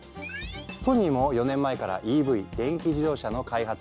ソニーも４年前からＥＶ電気自動車の開発をスタート。